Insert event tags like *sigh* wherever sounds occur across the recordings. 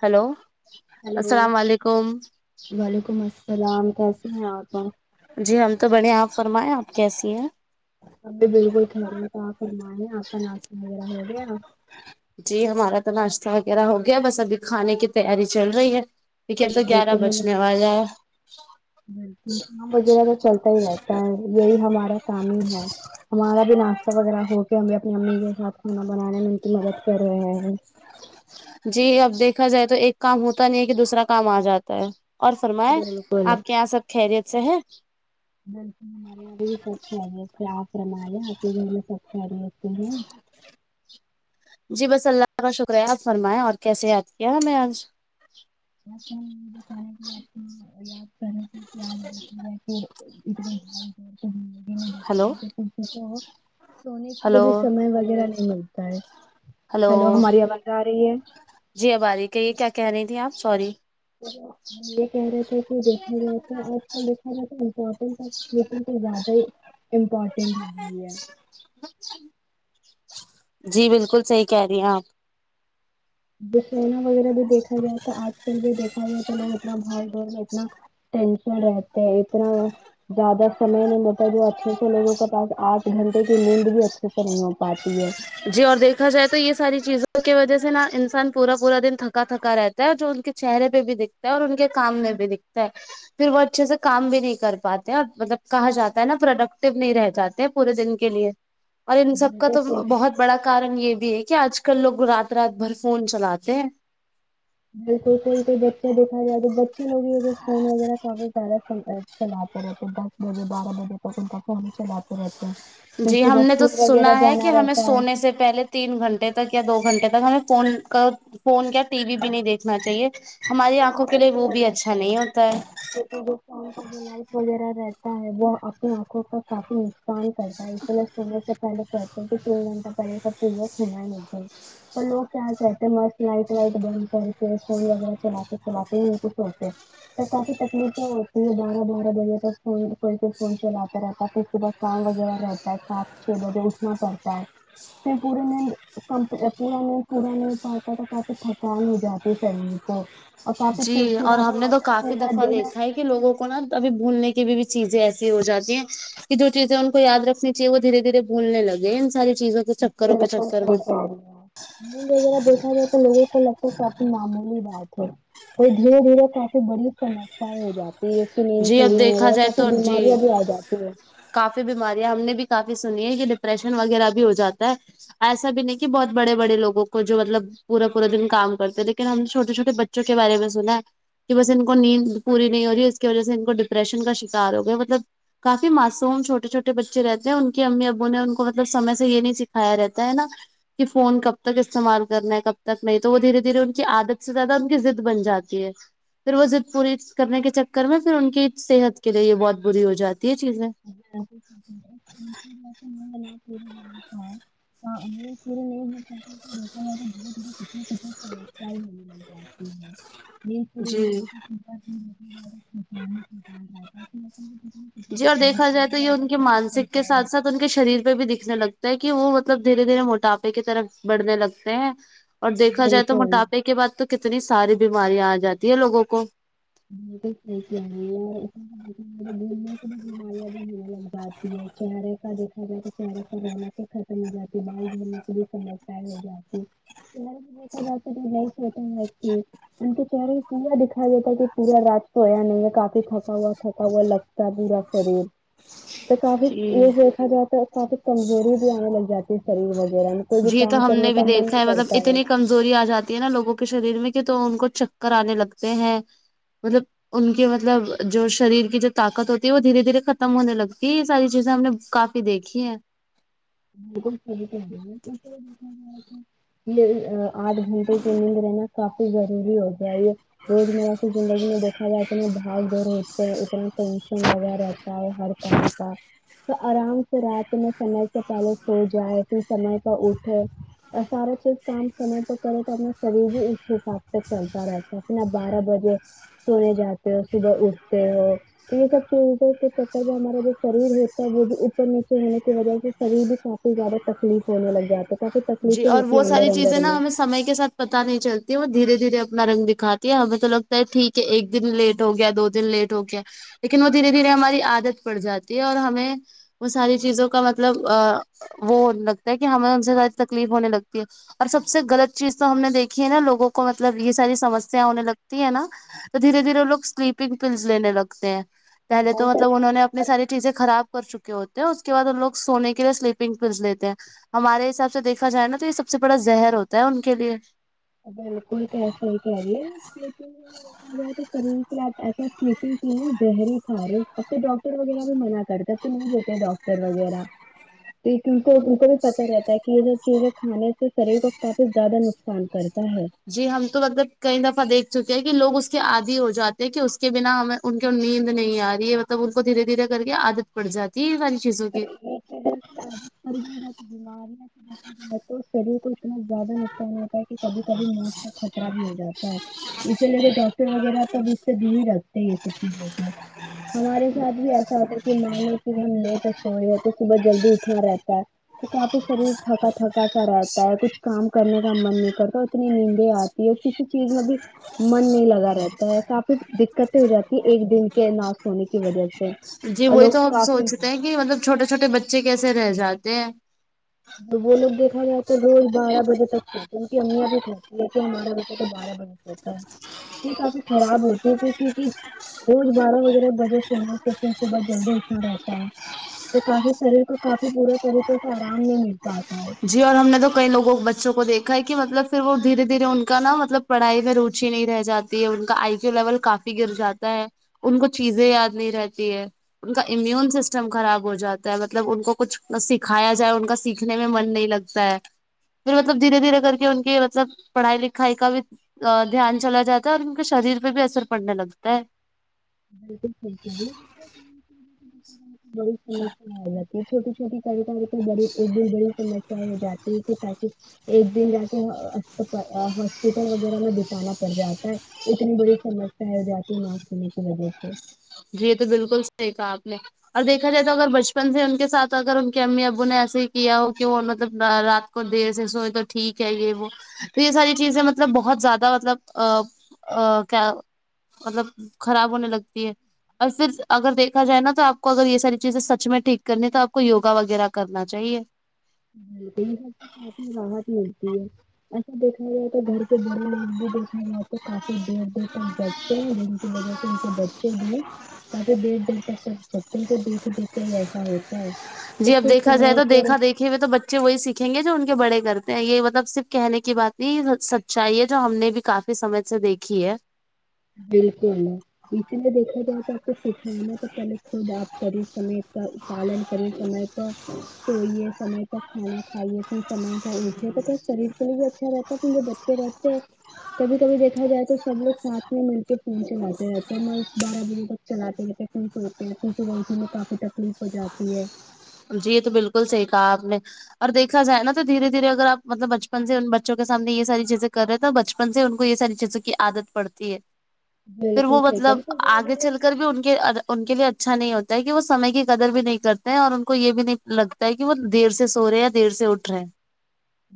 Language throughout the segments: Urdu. ہیلو ہیلو وعلیکم السلام کیسے ہیں آپ جی ہم تو بڑھیں آپ فرمائیں آپ کیسی ہیں اب بھی بالکل خیریت تو آپ فرمائے آپ کا ناشتہ وغیرہ ہو گیا جی ہمارا تو ناشتہ وغیرہ ہو گیا بس ابھی کھانے کی تیاری چل رہی ہے لیکن اب تو گیارہ بالکل بجنے والا ہے تو چلتا ہی رہتا یہی ہمارا کام ہی ہے ہمارا بھی ناشتہ وغیرہ ہو گیا ہمیں اپنی امی کے سات کھانا بنانے میں ان کی مدد کر رہے ہیں جی اب دیکھا جائے تو ایک کام ہوتا نہیں ہے کہ دوسرا کام آ جاتا ہے اور فرمائے بالکل آپ کے یہاں سب خیریت سے ہیں م ہمارے یہاں بھی سب خیریت ہے آپ فرمائے آپ کے گھر میں سب خیریت سے ہیں جی بس اللہ کا شکریہ آپ فرمایں اور کیسے یاد کیا ہمیں آج *unintelligible* *unintelligible* ہلو سونے کے لیے ہلو بھی سمے وغیرہ نہیں ملتا ہے ہلو ہیلو ہماری آواز آ رہی ہے جی اب اری کہیے کیا کہہ رہی تھیں آپ سوری ہم یہ کہہ رہے تھے کہ دیکھو تو آج کل دیکھانا تو امپورٹینٹ ہے لیکن زیادہ ہی امپورٹینٹ بھی ہے جی بالکل صحیح کہہ رہی ہیں آپ دنا وغیرہ بھی دیکھا جائے تو آج کل بھی دیکھ تو لوگ اتنا بھاگ دوڑ میں اتنا ٹینشن رہتے ہیں اتنا زیادہ سمے نہیں ملتا جو اچھے سے لوگوں کے پاس آٹھ گھنٹے کی نیند بھی اچھے سے نہیں ہو پاتی ہے جی اور دیکھا جائے تو یہ ساری چیزوں کی وجہ سے نا انسان پورا پورا دن تھکا تھکا رہت اور جو ان کے چہرے پہ بھی دکھتا ہے اور ان کے کام میں بھی دکھتا ہے پھر وہ اچھے سے کام بھی نہیں کر پاتے اور مطلب کہا جاتا ہے نا پروڈکٹو نہیں رہ جاتے ہیں پورے دن کے لیے اور ان سب کا بالکل تو صحیح ہے۔ بہت بڑا کارن یہ بھی ہے کہ آج کل لوگ رات رات بھر فون چلاتے ہیں بالکل کوئی کو بچے دیکھا جائے تو بچے لگ فون وغیرہ کافی زیاہ سنتا ہے چلاتے رہتے ہیں دس بجے بارہ بجے تک ان کا فون ہی چلاتے رہتے ہیں پھر جی صبح ہم نے تو اسکول سنا وغیرہ ہے کہ جانا ہمیں رہتا ہے سونے سے پہلے تین گھنٹے تک یا دو گھنٹے تک ہمیں فون کا فون یا ٹی وی بھی نہیں دیکھنا چاہیے ہماری آنکھوں کے ہمارے لیے یہ وہ بھی کرنا اچھا چاہیے نہیں ہوتا ہے فون کا جو لائٹ وغیرہ رہتا ہے وہ اپنی آنکھوں کا کافی ان کرتا ہے اسی لیے سونے سے پہلے کہتے ہے کہ تین گھنٹہ پہلے فون چھینا نہیں چاہیے اور لوگ کیا کرتے ہیں مس لائٹ وائٹ بن کر فون وغیرہ چلاتے *unintelligible* تو کافی تکلیفیں ہوتی ہے بارہ بارہ بجے تک فون فون سے فون چلاتا رہتا ہے پھر اس کے بعد کام وغیرہ رہتا ہے سات چھ بجے اٹھنا پڑتا ہے پھر پورے دن کم پورا نہیں پورا نہیں پاتا تو کافی تھکان ہو جاتی شریر کو اور کافی جی اور چڑچڑا بھی ہم نے تو ہوتا ہے کافی پورا دفعہ دن دیکھا ہے لوگوں کو نا ابھی بھولنے کی بھی بھی چیزیں ایسی ہو جاتی ہیں کہ جو چیزیں ان کو یاد رکھنی چاہیے وہ دھیرے دھیرے بولنے لگے ہے ان ساری چیزوں کے جی چکروں کے بالکل چکر صحیح میں کہہ رہی ہے میل وغیرہ دیکھا جائے تو لوگوں کو لگتا ہے کافی معمولی بات ہے یہ دھیرے دھیرے کافی بڑی سماسیا ہو جاتی ہے کی نیند جی اب پوری نہیں ہو دیکھا جاتی جائے کافی تو جی بیماریاں بھی آ جاتی ہے کافی بیماریاں ہم نے بھی کافی سنی ہے کہ ڈپریشن وغیرہ بھی ہو جاتا ہے ایسا بھی نہیں کہ بہت بڑے بڑے لوگوں کو جو مطلب پورا پورا دن کام کرتے لیکن ہم نے چھوٹے چھوٹے بچوں کے بارے میں سنا ہے کہ بس ان کو نیند پوری نہیں ہو رہی ہے اس کی وجہ سے ان کو ڈپریشن کا شکار ہو گیا مطلب کافی معصوم چھوٹے چھوٹے بچے رہتے ہیں ان کے امی ابو نے ان کو مطلب سمے سے یہ نہیں سکھیا رہتا ہے نا کہ فون کب تک استعمال کرنا ہے کب تک نہیں تو وہ دھیرے دھیرے ان کی عادت سے زیادہ ان کی ضد بن جاتی ہے پھر وہ ضد پوری کرنے کے چکر میں پھر ان کی صحت کے لیے یہ بہت بری ہو جاتی ہے یہ چیزیں *inaudible* *inaudible* جی *inaudible* *inaudible* جی اور دیکھا کر جائے تو یہ لیا ان کے کتنا مانسک تھک کے گئے ہیں۔ ساتھ ساتھ ان کے شریر پہ بھی دکھنے لگتا ہے کہ وہ مطلب دھیرے دھیرے موٹاپے کی طرف بڑھنے لگتے ہیں اور دیکھا جائے تو بالکل موٹاپے کے بعد تو کتنی ساری بیماریاں آجاتی ہے لوگوں کو *inaudible* لگ جاتی ہے چہرے کا دیکا جائے تو چہرے پر رونا کے *inaudible* ختم ہو جاتی بال جلنے پوری سمسیا ہو جاتی *inaudible* دیکھا جاتا کہ نہیں سوتے ان کے چہرے پیا دکھا *inaudible* ئی دیتا ہے کہ پورا رات سویا نہیں کافی تھکاوا تھکوا لگتا پورا شریر تو کافی جی یہ دیکھا جاتا ہے کافی کمزوری بھی آنے لگ جاتی ہے شریر وغیرہ میں کوئی بھی کام کرنے کا من ہی کرتا ہے زوری آ جاتی ہے نا لوگوں کے شریر میں کہ تو ان کو چکر آنے لگتے ہیں مطلب ان کے مطلب جو شریر کی جو طاقت ہوتی ہے وہ دھیرے دھیرے ختم ہونے لگ یہ ساری چیزیں ہم نے کافی دیکھی ہیں بالکل سب آٹھ گھنٹے کی نیند رہنا کافی ضروری ہو جائے یہ روزمرہ کی زندگی میں دیکھا جائے انے بھاگ دور ہوتے ہیں اتنا ٹینشن لگا رہتا ہر کام کا تو آرام سے رات میں سمے سے پہلے سو جائے پھر سمے پر اٹھے اور سارا چیز کام سمے پ کرے تو اپنا شریر بھی اس حساب سے چلتا رہتا ہے انا بارہ بجے سونے جاتے ہو صبح اٹھتے ہو یہ سب چیزوں سے چ کر جو ہمارا جو شریر ہوتا ہے وہ بھی اوپر نیچے ہونے کی وجہ سے کری بھی کافی زیادہ تکلیف ہونے لگ جاتے تھا جی اور وہ ساری چیزیں نا ہمیں سمے کے ساتھ پتا نہیں چلتی ہے وہ دھیرے دھیرے اپنا رنگ دکھاتی ہے ہمیں تو لگتا ہے ٹھیک ہے ایک دن لیٹ ہو گیا دو دن لیٹ ہو کیا لیکن وہ دھیرے دھیرے ہماری عادت پڑ جاتی ہے اور ہمیں وہ ساری چیزوں کا مطلب وہ لگتا ہے کہ ہمیں ان سے زیادہ تکلیف ہونے لگتی ہے اور سب سے غلط چیز تو ہم نے دیکھی ہے نا لوگوں کو مطلب یہ ساری سمسیا ہونے لگتی ہے نا تو دھیرے دھیرے وہ لوگ سلیپنگ پلس لینے لگتے ہیں پہلے تو بہت مطلب انہوں نے اپنی اچھا ساری چیزیں خراب کر چکے ہوتے ہیں اس کے بع وہ لوگ سونے کے لیے سلیپنگ پس لیتے ہیں ہمارے حساب سے سے دیکھا جائے نا تو یہ سب سے بڑا زہر ہوتا ہے ان کے لیے بالکل کیاسی کیا آ رہی ہے لیک دیکھا گیا تو شریر کے آپ ایسا سلیپنگ کیے زہری کھ رہے اب تو ڈاکر ٹر وغیرہ بھی منع کرتا تو نہیں دیتے ڈاکٹر وغیرہ کیکہ ان کو بھی پت رہتا ہے کہ یہ جو چیزیں کھانے سے شریر کو کافی زیادہ نقصان کرتا ہے جی ہم تو مطلب کئی دفعہ دیکھ چکے ہیں کہ لوگ اس کے آدی ہو جاتے ہیں کہ اس کے بنا ہمیں ان کی نیند نہیں آ رہی ہے مطلب ان کو دھیرے دھیرے کر کے عادت پڑ جاتی ہے یہ ساری چیزوں کی تو یہ کی عدت پر بیماریاں تو شریر کو اتنا زیادہ ہوتا ہے کہ کبھی کبھی موت کا خطرہ بھی ہو جاتا ہے اسی لیے تو ڈاکٹر وغیرہ تو اب اس سے دور ہی رکھتے ہیں یہ سب چیز ہوتی ہمارے ساتھ بھی ایسا ہوتا ہے کہ مانو کہ ہم لے کر سو یہ تو صبح جلدی اٹھنا رہتا ہے تو کافی شریر تھکا تھکا سا رہتا ہے کچھ کام کرنے کا من نہیں کرتا اتنی نیندے آتے یہ کسی چیز میں بھی من نہیں لگا رہتا ہے کافی دقتیں ہو جاتی ہیں ایک دن کے ناس ہونے کی وجہ سے جی اور وہی تو لوگ ہم کافی سوچتے ہیں کہ مطلب چھوٹے چھوٹے بچے کیسے رہ جاتے ہیں وہ لو دیکھا جائے تو روز بارہ بجے تک س ان کی اممییاں بھی کہتی ہے کہ ہمارا بچہ تو بارہ بجے ہو یہ کافی خراب ہوتی ہے کی کیکہ روز بارہ بجے ر بجے سونےن صبح جلدی اٹھنا رہتا ہے تو کافی شریر کو کافی بورے طریقے سے آرام نہیں مل پاتا ہے جی اور ہم نے تو کئی لووں بچوں کو دیکھا ہے کہ مطلب پھر وہ دھیرے دھیرے ان کا نا مطلب پڑھائی میں روچی نہیں رہ جاتی ہے ان کا آئی کیو لیول کافی گر جاتا ہے ان کو چیزیں یاد نہیں رہتی ہے ان کا امیون سسٹم خراب ہو جاتا ہے مطلب ان کو کچھ سکھایا جائے ان کا سیکھنے میں من نہیں لگتا ہے پھر مطلب دھیرے دھیرے کر کے ان کے مطلب پڑھائی لکھائی کا بھی دھیان چلا جاتا ہے اور ان کے شریر پہ بھی اثر پڑنے لگتا ہے بالکل صحیح *unintelligible* چے بڑی سمیا آ جاتی ہے چھوٹی چھوٹی سرکار کے بڑی بھی بڑی سمسیا ہو جاتی ہے کہ تاکہ ایک دن جا کے ہاسپٹل وغیرہ میں بتانا پڑ جاتا ہے اتنی بڑی سمسیا ہے جاتی ن ہونے کی وجہ سے جی یہ تو بالکل صحیح کہا آپ نے اور دیکھا جائے تو اگر بچپن سے ان کے ساتھ اگر ان کے امی ابو نے ایسے ہی کیا ہو کہ وہ مطلب رات کو دیر سے سوئے تو ٹھیک ہے یہ وہ تو یہ ساری چیزیں مطلب بہت زیادہ مطلب ا ا کیا مطلب خراب ہونے لگتی ہے اور پھر اگر دیکھا جائے نا تو آپ کو اگر یہ ساری چیزیں سچ میں ٹھیک کرنی تو آپ کو یوگا وغیرہ کرنا چاہیے ملتی یہ سب کافی راحت ملتی ہے ایسا دیکھ د تو گھر کے بڑے لوگ بھی دیکھا ہے یہاں پر کافی دیر دیر تک جگتے ہیں جن کی وجہ سے ان کے بچے بھی کافی دیر دیر تک چن کو دیکھ دیکھ کے ہی ایسا ہوتا ہے تو جی اب کچھ دیکھا جائے سمے تو پر دیکھا دیکھا ہو تو بچے وہی سیکھیں گے جو ان کے بڑے کرتے ہیں یہ مطلب صرف کہنے کی بات نہیں س چاہیے جو ہم نے بھی کافی سمے سے دیکھی ہے بالکل پیچے میں دیکھا جائے تو آپ کو سکھوانا تو پہلے خود آپ کریں سمے کا پالن کرے سمے سوئیے سمے پر کھانا کھائیے تھے سمے پر اٹھے تو کیا شریر کے لیے بھی اچھا رہتا ہے کیے بچے رہتے کبھی کبھی دیکھا جائے تو سب لوگ ساتھ مل کے فون چلاتے رہتے ہیں مست بارہ بجے تک چلاتے رہتے کہیں سےو ہوتے ہیں پھر سے بی میں کافی تکلیف ہو جاتی ہے جی یہ تو بالکل صحیح کہا آپ نے اور دیکھا جائے نا تو دھیر دھیرے اگر آپ مطلب بچپن سے ان بچوں سامنے یہ ساری چیزیں کر رہے ہیں تو بچپن سے ان کو یہ ساری چیزوں کی عادت پڑتی ہے پھر بالکل وہ صحیح کہہ مطلب رہی ہیں دھیرے آگے دھیرے چل کر بھی ان کے ان کے لیے اچھا نہیں ہوتا ہے کہ وہ سمے کی قدر بھی نہیں کرتے ہیں اور کو یہ بھی نہیں لگتا ہے کہ وہ دیر سے سو رہے ہیں یا دیر سے اٹھ رہے ہیں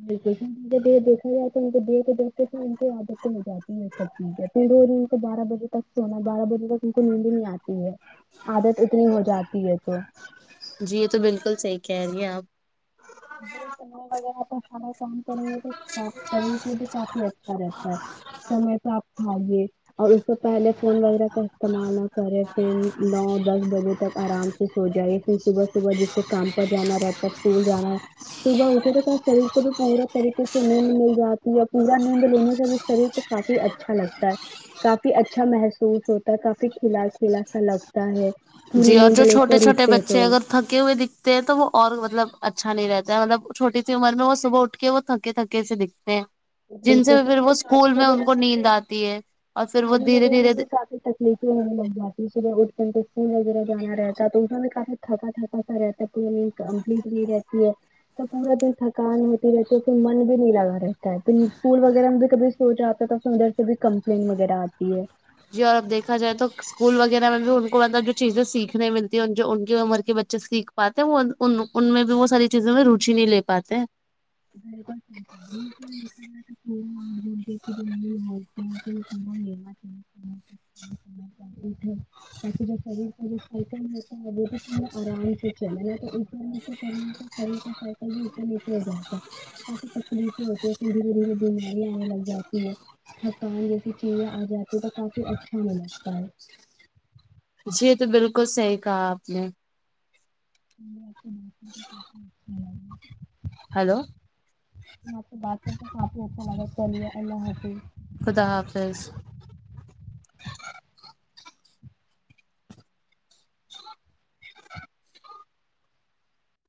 ب ان د دیکھا جائے تو ان د کو دیکھتے تو ان سے عادتیں ہو جاتی ہیں اچھیک ہے اتنے دوز ان کو بارہ بجے تک ہونا ہے بارہ بجے تک ان کو نیندے نہیں آتی ہے عادت اتنی ہو جاتی ہے تو جی یہ تو بالکل صحیح کہہ رہی ہیں آپ س وغیرہ توان *unintelligible* کام کریں گے تو شریر میں بھی کافی اچھا رہتا ہے سمے پر آپ کھاگے اور اس سے پہلے فون وغیرہ کا استعمال نہ کرے پھر نو دس بجے تک آرام سے ہو جائے پھر صبح صبح جس کو کام پر جانا رہتا ہے اسکول جانا صبح اٹھے تو شریر کو بھی پورا طریقے سے نیند مل جاتی ہے اور پورا نیند لینے سے بھی شریر کو کافی اچھا لگتا ہے کافی اچھا محسوس ہوتا ہے کافی کھلا کلا سا لگتا ہے پوری جی اور نیند جو چھوٹے لیکر چھوٹے اٹھتے ہے تو بچے اگر تھکے ہوئے دکھتے ہیں تو وہ اور مطلب اچھا نہیں رہتا ہے مطلب چھوٹی سی عمر میں وہ صبح اٹھ کے وہ تھکے تھکے سے دکھ ہیں جن بالکل سے پھر وہ پانی اسکول میں وغیرہ ان کو نیند بھی آتی ہے اور پھر وہ دھیرے دھیرے لیکن ہمیں لوگ باتی صبح اٹھتے اسکول وغیرہ جانا رہتا ہے تو اس میں کافی تھکا تھکا رہتا پ کمپلیٹلی رہتی ہے تو پورا دن تھکان ہوتی رہتی ہے پھر من بھی نہیں لگا رہے پھر اسکول وغیرہ میں بھی کبھی سوچاتا ہے تو پھر ادھر سے بھی کمپلینٹ وغیرہ آتی ہے یار دیکھا جائے تو اسکول وغیرہ میں بھی ان کو مطب جو چیزیں سیکھنے ملتی جو ان کی عمر کے بچے سیکھ پاتے ہیں وہ ان ان میں بھی وہ ساری چیزوں میں روچی نہیں لے پاتے *unintelligible* *unintelligible* سائیکل ہوتا ہے وہ تو تم نے آرام سے چلے نا تو *inaudible* کافی تکلیف ہوتی ہے کہ دھیرے دھیرے بیماری آنے لگ جاتی ہے تھکان جیسی چیزیں آ جاتی ہے تو کافی اچھا نہیں لگتا ہے جی تو بالکل صحیح کہا آپ نے *inaudible* ہیلو مجھے آپ سے بات کرکے کافی اچھا لگا چلیے اللہ حافظ خدا حافظ